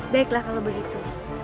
baiklah kalau begitu